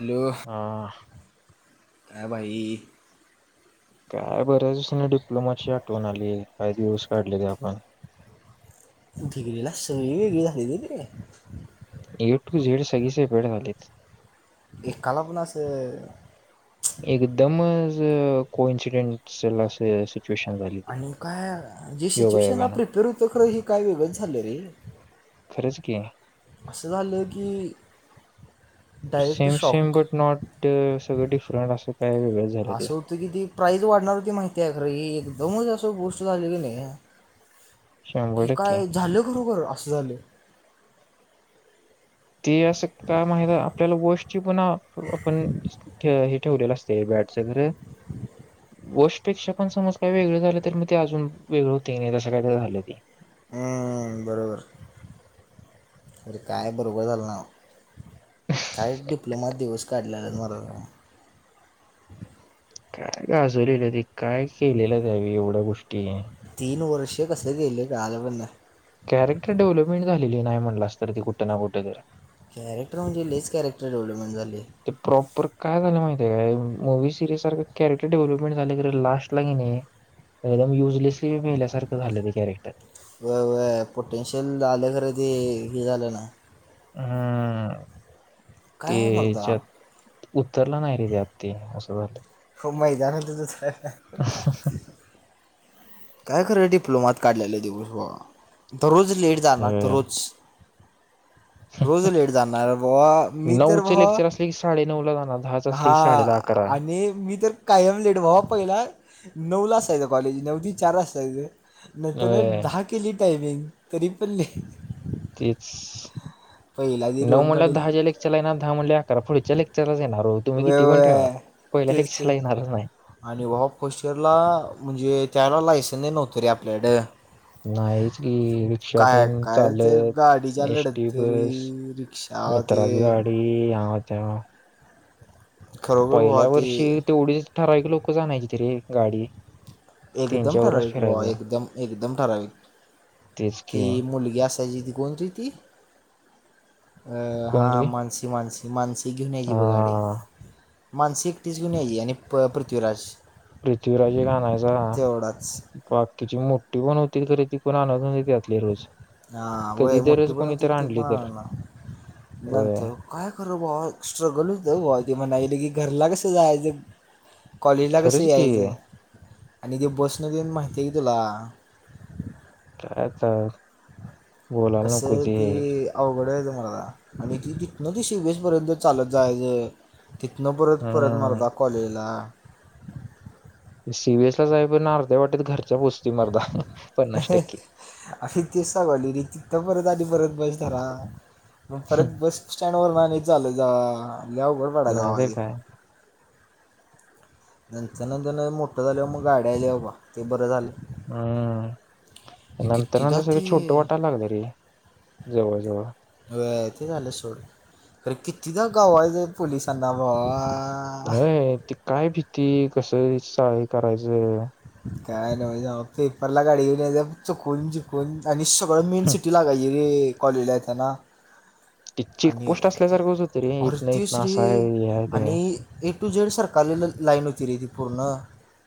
Hello काय भाई काय बऱ्याच दिसाांने डिप्लोमा ची आठवण आली काय दिवस काढले ते आपण [unintelligible] ए टू झेड सगळे सेपरेट झालेत. एक कालापण असं को इनसिडेंट [unintelligible] आणि काय जे सिच्युएशनला योगायोगानं प्रिपेअर होतं खरं हे काय वेगळंच झालं रे. कींग असं झालं की direct same same shock but not सगळं डिफरंट असे असं होतं कि ती प्राईज वाढणार होती माहिती आहे का तर एक दम असं बूष्ट झालेलं नाही आहे. शंभर कि टक्के काय झालं खरोखर आसं झालं. ती असं काय माहि आपल्याला वाॅशची पण आपण हे ठेवलेलं असते बॅटच खर वाॅशपेक्षा पण समज काही वेगळ झालं तर मग ते अजून वेगळं होते नाही तसं काही झालं की हम्म बरोबर अरे काय बरोबर झालं ना हो काय डिप्लोमा दिवस काढलेल मर काय गाजवलेलं काय केलेलं त्यावेळी एवढ्या गोष्टी. पूर्ण वर्ष कसं गेले गाल बघ ना. कॅरेक्टर डेव्हलपमेंट झालेली नाही म्हणलास तरी ती कुठं ना कुठे तरी कॅरेटर म्हणजे लीईच कॅरेटर डेव्हपमेंट झाले. ते प्रॉपर काय झालं माहितीय का मूवी सिरीिज सारखं कॅरेक्टर डेव्हलपमेंट झालं कि लास्ट ला का नाही एकदम युजलेसली मेल्यासारखं झालं ते कॅरेक्टर. व पोटेनशियल आलं खरं ते हे झालं ना हम्म काय मर्दा तेच्यात उतरला नाही रे व्याप ते असं झालं. खूप मैदान होत दुसर काय खरं डिप्लोमात काढलेले दिवस दररोज लेट झाला तर हम्म रोज रोज उशिरा जाणार, मी तर नऊचे लेक्चर असले की साडे नऊ ला जाणार दहाच असले की हा, साडे दहा अकरा आणि मी तर कायम लेट व पहिला नऊला असायच कॉलेज नऊला चार वाजता नंतर होय दहा केली टायमिंग तरीपल्ली तेच ती नऊ रोहन म्हणले, पाटील दहा च्या लेक्चरला येणार दहा म्हणले अकरा पुढच्या लेक्चरला येणार ओ होय- होय, तेच तेच येणारच नाही आणि व पोस्चरला म्हणजे त्यावेळी आपल्याकडे लायसन्स नव्हते नाहीच की रिक्षा देईन, काय ते चालत गाडीच्या एसटी बस, लढतरी रिक्षा मित्राची ते गाडी त्या खरोखर भावा पहिल्या ते वर्षी तेवढीच ठराविक लोक जाणयची तरीे गाडी एकदम त्यांच्यावरूनच ठराविक वा फिरायचं एकदम-एकदम ठराविक, तेच ती की मुलगी असायची ती कोणती ती? अ... कोण हा.. रे मानसी-मानसी हिमांशी घेवून याची हा बघ गाडी माणसी एकटीच घेऊन यायची आणि पृथ्वीराज पृथ्वीराजे गाण तेवढाच बाकीची मग िकण होतील खर तिक आण [unintelligible] हा होय मोठी पण कोणी होती तर ती, आणली तर पणला होय नंतर काय खरे, स्ट्रगल होत बा ते म्हणाले की घरला सु जायध [inaudible] कॉलला कस खरंच की याच? आणि ती बस ने देन माहिती आहे क तुला काय ते बोलायला कसं नको आहे ते, अवघड आहे तुम्हाला आणि तिथ न ते वेशी पर्यंत चालत जायचं तिथनं परत-परत हम्म मर्दा कॉलेजला सीबीएस ला जा आहे पण ना अर्ध्या वाटतेत घर अरे तेच सांगत, तिथून तर परत परत बस रा मग परत बस स्टँडवरन आ चालत नाही जा तर [inaudible] काय ह्यांच्या नादानं मोठं झाल्यावर मग गाडी आली बाबा ते बरं झालं. हम् हे नंतर नंतर कितीदा सगळं ते छोटं वाटायला लागलं रे जवळ जवळ. व्हय, ते झालं सोड अरे कितीदा घावायचंय पोलिसांना भावा अ ते काय बी ती कसं [inaudible] करायचं काय नवंच अबा पेपरला गाडी आल्यावर चुकवून बिकवून आणि सगळ मेन सिटी लागायची. ते कॉलेजला येताना. ती आणि चेकपोस्ट असल्यासारखंच होतं रे आरे इथनं तेच इथनं असं आहे रे हे आहे ते आणि आहे. ए टू झेड सरकारी ला लाईन होती रे ति पुर्ण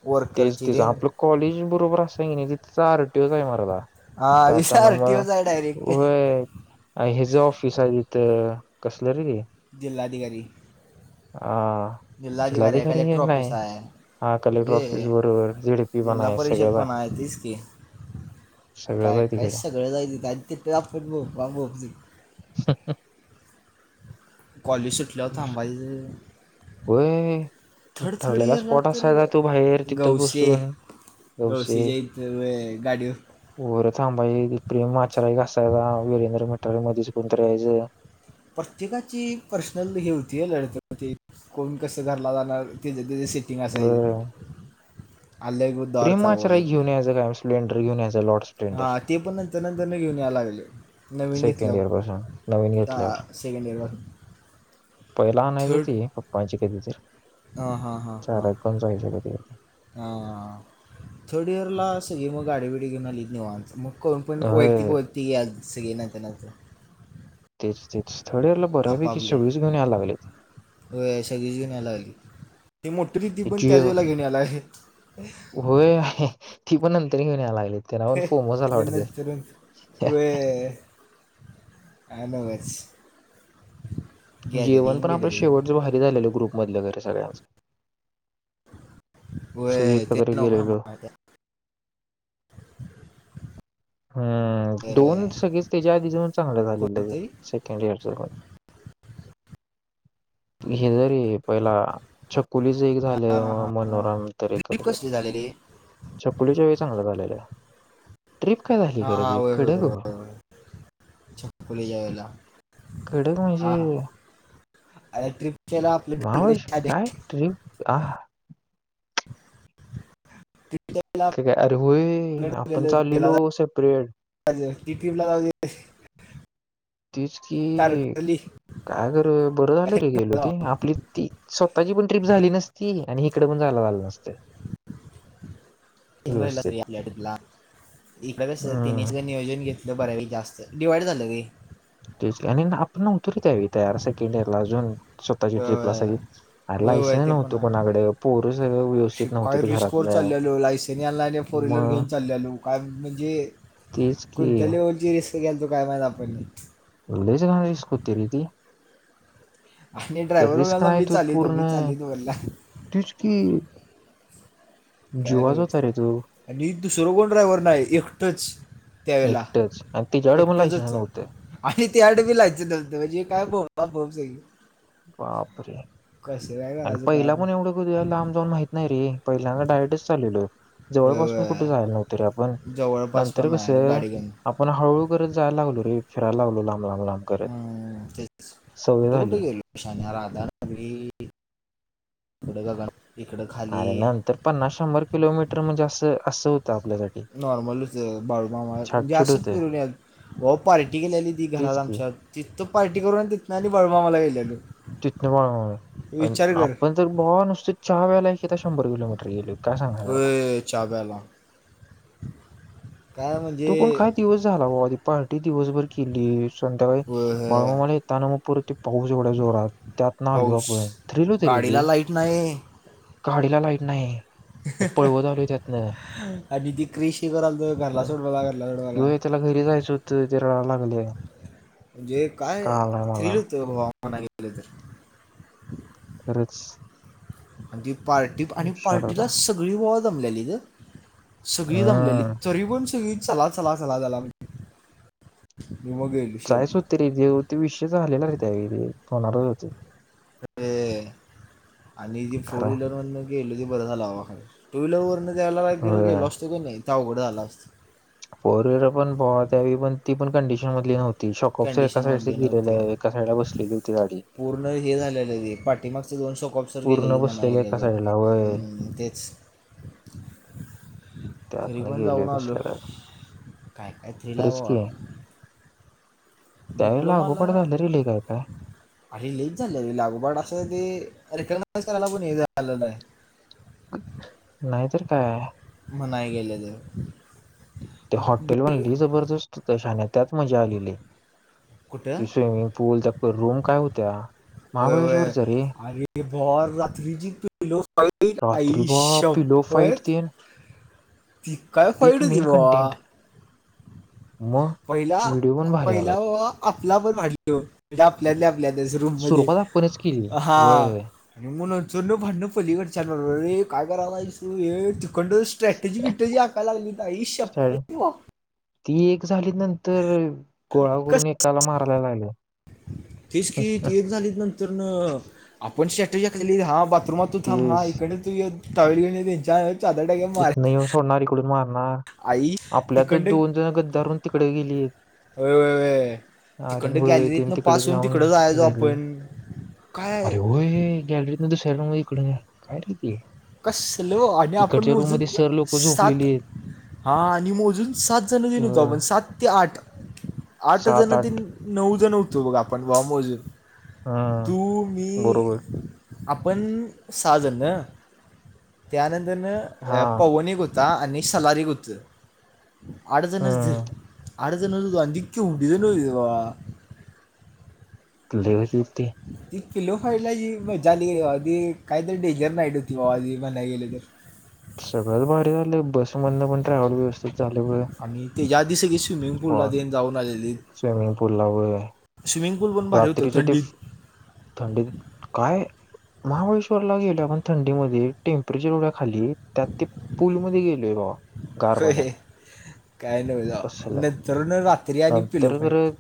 वर्कर तिच आपलं कॉलेज बरोबर असय तिथं आरटीओचय मर्दा. हा जाताना आर म टी ओच आहे डायरेक्ट व्हय, हेज ऑफिसय ति त कसलं रं त जिल्हाधिकारी आ, जिल्हाधिकारीय जिल्हाधिकारी कलेक्टर हे नाही ऑफिसय हा कलेक्टर ऑफिस लय बरोबर झेडपी पण जिल्हा आहे परिषद सगळंच आहे पणय तेच की सगळंच काय आहे काय तिकडे सगळंच आहे, तिथं आन् तिथंच आप कॉलेज सुटल्यावर थांबायचं होय थर्ड थर्ड ठरलेला इयरला स्पॉट तर असायचा तो बाहेर तिथं गवसे बसून गवसे जयन्ते व्हय गाडीवर ती प्रेम आचारी एक असायचा [inaudible] मध्येच कोणतरी येयचं. प्रत्येकाची पर्सनल हे होती लडतर होती कोण कसं घरला जाणार. ते तेझ सेटिंग असायची. होय आलय प्रेम आचराय घेऊन यायचं काय स्प्लेंडर घेऊन यायचं लॉर्ड [unintelligible] हा स्प्लेंडर ते पण नंतर, नंतर न घेऊन यायला लागल. सेकंड इयर पासुन नवीन घे हा सेकंड इयर पासून. पहिलं आणायचा ते पप्पाची कधीतर हा, हा, हा, हा, कधी कधी हा, थर्ड इयर ला सगळे मग गाडी बिडी घेऊन आलीत मग निवांत, मग करून पण वैयक्तिक होय वैयक्तिक याल सगे नायता नात सिक्स आपापले, व्हय सगळीच घिऊन यायला लागली. ते मोठरी ती पण त्याच जिओ वेळेला घेऊन यायला लागली. होय ती पण नंतर घेऊन यायला लागलीत. ते नावर फोम झाला पण वाटत? नंतर काय नवच जेवण गॅदरिंग तर आपलं शेवटच गॅदरिंग भारी झालेलं, ग्रुप मधलं घर हाय सगळ्यांच सगळे व्हय, एकत्र तिनं न्हव का गेलेलो मा हम्, दोन सगळेच त्याच्या आधी जेंव्हा चांगलं झालेलं तरी, कोणतरी सेकंड इयरच कॉलेज, पण हे जरी पहिला च पोरीच एक हा हा झालं हा हा मनोरम तर ट्रिप एकत्र कसली झालेली चकुलीच्या वेळी चांगलं झालेलं. ट्रीप काय झाली हा खरं हा ती होय होय कडक, बरोबर छकुलीच्या वेळेला कडक हा म्हणजे हा अरे ट्रिपच्या वेळेला आपलं ठरलेलं महाबळेश्वर शादे काय ट्रीप आहा ट्रिपच्या वेळेला तर काय, अरे आपलं होय, आपण ठरलेलं गेला चाललेलो सेपरेट जायचं ती ट्रिपला जाऊ दे तीच की तारकली काय गरज बरं झालं रे गेलो ते, आपली ती स्वतःची पण ट्रीप झाली नसती ती आणि इकडं पण जायला झालं नसते. आपल्यातला [unintelligible] इकडं कसं तिने हम्म सं नियोजन घेतलं बऱ्यापैक जास्त डिवाईड झालंय रे तेच की, आणि आपण न्हवतो की त्यावेळी तयार, सेकंड इयर ला अजून. स्वतःची ट्रिपला व्हय, सगळी अरे व्हय व्हय लायसन ते पण नव्हतं कोणाकडे पोरं सगळं आहे व्यवस्थित काय नव्हतीत रिस्क वर घरातनं चाललेलो, लायसन यायला न्हवत, फोर व्हीलर मग घेऊन चाललेलो, काय म्हणजे तेच की कोणत्या लेवलची रिस्क गेल तो काय माहित? आपण लय रिस्क होती रे ती [unintelligible] आणि तर ड्रायव्हर दादा का मी चालवितो, मी चालवितो, म्हणलो - तेच, की काय, जीवाच होता रे तो आणि दुसर कोण ड्रायवर नाय, एक टच एकटंच, आणि ती झाडं पण लय छान व्हतं. त्याच्याकडं पण लायसेन्स न्हवता तेला जे काय बोललं जाईल बापरे काय आणि करायचं पहिला काम पण एवढं कधी लांब जाऊन माहित नाही रे पहिल्यांदा डायरेक्टच चाललेलो होय, जवळपासून कुठे जायला नव्हतं रे आपण होय. जवळपास नंतर पण नाही कसं गाडी घेऊन आपण हळूहळू करत जायला लागलो रे फिरायला लागलो लांब लांब लांब करत हम तेच सवय कुठं कुठं झाली गेलो राधा नगरी कडेला लाव अरे नंतर पन्नास शंभर किलोमीटर म्हणजे असं असं हो नॉर्मलच बाळूमामा म्हणजे छाटछूट असंच होतं फिरून व पार्टी केलेली ती घरात तेच की आमच्यात तित पार्टी करून तिथनं आणि बाळूमामाला गेलेलो तिथनं बाळूमामाला आणि विचार कर आपण ज बवा नुसतं चहा प्याला आत्ता शंभर किलोमीटर गेलोय होय चहा प्यायला काय तो पण म्हणजे काय दिवस झाला बाबाते पार्टी दिवसभर केली संध्याकाळी व- हे, बाळूमामानं येताना पुरते पाऊस एवढ्या जोरात त्यात ना आलू पाऊस आपण होत रे गाडीला लाईट नाही गाडीला लाईट नाही हे पळवत आलोय त्यातनं आणि ती क्रिशी करालतं घरला सोड जे त्याला घरी जायचं होतं ते रडायला लागले काळालय मला बघायचं गेलं तर खरंच आधी पार्टी आणि विचार पार्टीला होता सगळी व जमलेली गं सगळी जमलेली हम्म तरी पण सगळी चला चला चला झाला जायचं होते रे जेव तो विषय झालेला रे त्यावेळी फोनवर त तेे आणि जी फोर खरंय व्हीलर वाले गेल ते बरं झालं भावा टू व्हीलर वरनं द्यायला होय गेलो असतो की नाही त्या उघडं आला अस फोर व्हीलर पण भ त्यावी पण ती पण कंडिशन मधली नव्हती शकोपसर एका साईडचे कंडिशनमधले गेलेले नव्हते एका साईडला बसलेली होती गाडी [unintelligible] कॉपसर पूर्ण गेलेली मना बसलेलं एका गले साईडला वय हम्म तेच तरी त्यातनं पण गेलोय जाऊन आलो कसल्या काय काय खरंच कायतथिलावा की त्यावेळी डिप्लोमाला लागोपाठ झालं रे लय काय काय आहे लागूबाट असं दे [unintelligible] नाही तर काय मनाय गेल तर ते हॉटेल म्हनली जबरदस्त तशाण्यात त्यात मजा आलेली कुठं त स्विमिंग पूल त्या रूम काय होत्या होय होय महाबळेश्वरच्या रे अरे भावा रात्री जी पिलो फाईट रात्री आई श बाप पिलो फाईट तेन ती काय पीक फाडदि मेल भावा कंटेंट मग व्हिडिओ पण भारी आलाय आपल्या पण वाढलो आपल्या रूम मध्ये सुरुवात आपणच केली वय हा वय भांडण पलीकड च्या रे काय करालायस ये ण स्ट्रॅटजी बटजी हाका लाली त ह शप स्टार्ट वा ती एक ली नंतर गोळा कस करून एकाला मारायला लागलं तेच की पणेठ खाली हा त्रुमतुथ थांब हा तेच इकड तु य तवरी घ त्यांच्या चादर टाक मार सण इकडं मार म आई आपल्या तर तिकडं दोन जण गद्दारून तिकड गेली होय, होय, होय. तिकडं आरणळ गॅलरीतनं तिकडे पास होऊन जाऊन तिकडं जायचो गले आपण काय अरे होय गॅलरी दिस श इकड काय र ते कसलो आणि आपण इकडच्या रूम मोजून मध्ये सर लोक सात झोपलेली आहेत. हा आणि मोजून सात जण देन होतो होय आपण सात ते आठ आठ जण त नऊ जण हो तू बघ आपण ब मोजून हम्म तू मी बरोबर आपण साजन हा त्यानंतरन हा पवनिक होत ता आणि सलारी एक होतं. आठजण च धर. हम्म आठजणच आधी केवढी होतीत भावा [unintelligible] पिलो फाईटला जी मजा आली की नाई भावा ती काहीतरी डेंजर नाईट होती भावा म्हणाय गेले तर. सगळंच भारी झालं बसमधन पण ट्रॅवल व्यवस्थित झालं होय तेज्या आधी सगळी स स्विमिंग पूलला तेन जाऊन आलेलीत स्विमिंग पूल ला वय स्विमिंग पूल पण भारी होतं रात्रीच ते थंडीत थंडीत काय महाबळेश्वर ला गेलो आपण थंडीमधी टेम्परेचर एवढ्या खाली त्यात ते पूलमध्ये गेल दे भावा होय काही नव्हच बाबा कसलं नंतरन रा नंतर खरं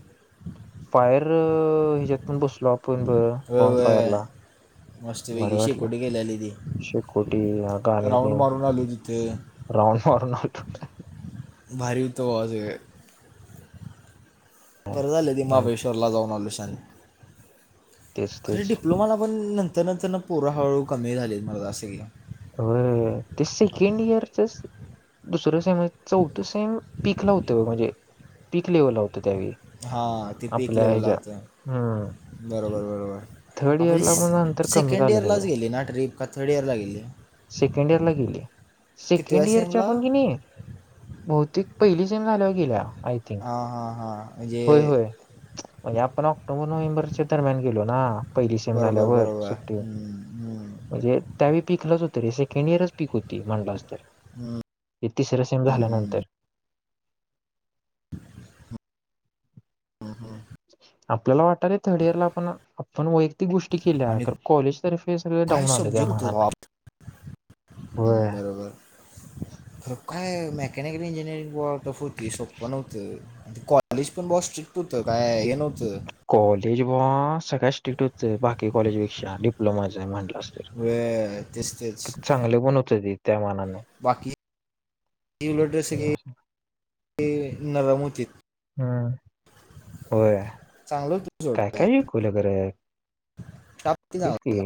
फायर अ हेज्यात आपण बसलो आपण बघ बॉन फायर होय ला मस्त वेगळी शेकोटी केलेली ती. शेकोटी गाणी तेन हे राऊंड मारून आलो भारी हुतं तवाच वेळ बरं झालं ते अं, महाबळेश्वरला जाऊन आलोय. चालेल तेच खर तेच डिप्लोमाला पण न तर नंतरन पोर हळूहळू कमी झाली मर्दा सगळी. होय ते सेकंड इयरचच दुसरंच चौथ सेम पीकला होत बघ म्हणजे पिक लेवल ला हो हां ते पीक लेवल ला होतं हम्म बरोबर बरोबर थर्ड आपली इयरला पण नंतर कमी सेकंड झालं इयरलाच सगळं गेली ना ट्रीप का थर्ड इयरला गेली? सेकंड इयरला गेली कितव्या सेकंड इयरच्या सेमला पण की नाही बहुतेक पहिली सेम झाल्यावर गेल्या. आय थिंक हां हां हां म्हणजे होय होय म्हणजे आपण ऑक्टोबर नोव्हेंबरच्या दरम्यान गेलो ना पहिली सेम बरोबर झाल्यावर बरोबर सुट्टी हम्म, हम्म. म्हणजे त्यावेळी पिकलच होत तरी सेकंड इयरच पीक होती म्हणलास तर हे तिसरे सेम झाल्यानंतर ह्म्म ह्म्म. आपल्याला वाटायल थर्ड इयर ला आपण आपण वैय क्तिक गोष्टी केल्या आणि तर कॉलेज तर्फे सगळ काय डाऊन आलं त्या सब्जेक्ट होतं मानान, बाप. व्हय. हम्म, बरोबर कॅनकनी इंजीनियरिंग वर्क टफ होती सोप्प नव्हतं कॉल कॉलेश पण ब स्ट्रिक्ट होतं काय हे नव्हतं. कॉलेज बुवा सगळ्या स्ट्रिक्ट होतं बाकी कॉलेजपेक्षा डिप्लोमाच म्हण असतेर वे तेच तेच चांगले पण होते ते त्या मानानं बाकी इनबरटर सगळे नरम होतेत हम्म होय चांगलं होतं सोड काय काय आहे खुल्यागर टाप ते चांगलं फिस होतं. की